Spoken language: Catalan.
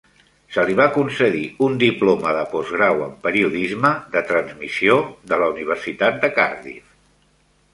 Se li va concedir un diploma de postgrau en periodisme de transmissió de la Universitat de Cardiff.